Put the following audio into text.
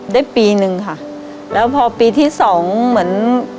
ได้ปีนึงค่ะแล้วพอปีที่สองเหมือน